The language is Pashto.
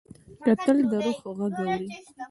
کتل د روح غږ اوري